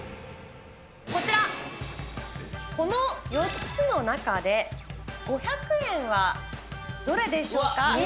こちら、この４つの中で、５００円はどれでしょうか。